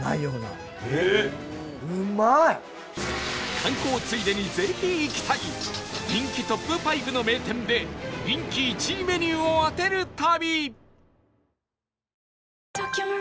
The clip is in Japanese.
観光ついでにぜひ行きたい人気トップ５の名店で人気１位メニューを当てる旅